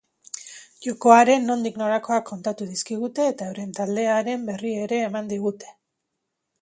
Jokoaren nondik norakoak kontatu dizkigute eta euren taldearen berri ere eman digute.